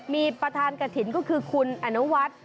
มีประธานกฐินก็คือคุณอาณวัฏ